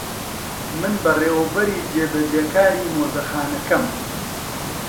من بەڕێوەبەری جێبەجێکاری مۆزەخانەکەم.